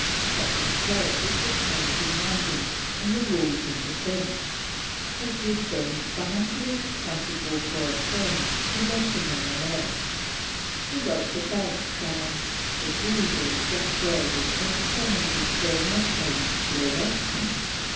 Captain Clerke was detained in London, "in the Rules of the Bench," as he had become financially responsible for a friend who left him in the lurch. He wrote to Banks, saying, "the Jews are exasperated and determined to spare no pains to arrest me."